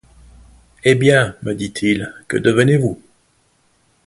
Eh bien, me dit-il, que devenez-vous ?